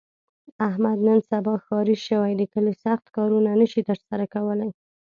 احمد نن سبا ښاري شوی، د کلي سخت کارونه نشي تر سره کولی.